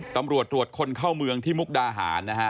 ตำรวจตรวจคนเข้าเมืองที่มุกดาหารนะฮะ